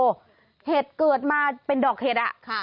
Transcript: ก็แค่เห็ดเกิดมาเป็นดอกเห็ด